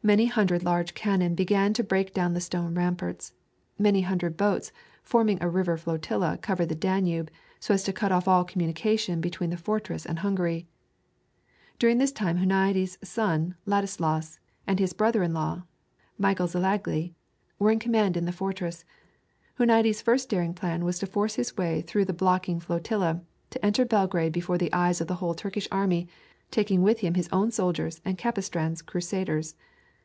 Many hundred large cannon began to break down the stone ramparts; many hundred boats forming a river flotilla covered the Danube, so as to cut off all communication between the fortress and Hungary. During this time Huniades' son Ladislaus, and his brother in law Michael Szilágyi, were in command in the fortress. Huniades' first daring plan was to force his way through the blockading flotilla, and enter Belgrade before the eyes of the whole Turkish army, taking with him his own soldiers and Capistran's crusaders.